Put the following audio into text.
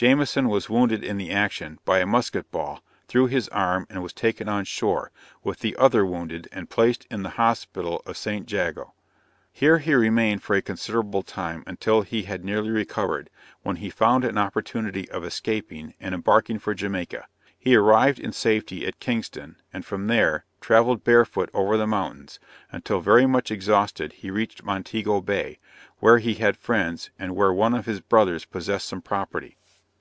Jamieson was wounded in the action, by a musket ball, through his arm, and was taken on shore, with the other wounded, and placed in the hospital of St. Jago. Here he remained for a considerable time, until he had nearly recovered, when he found an opportunity of escaping, and embarking for Jamaica. He arrived in safety at Kingston, and from there, travelled barefoot over the mountains, until very much exhausted, he reached Montego Bay, where he had friends, and where one of his brothers possessed some property.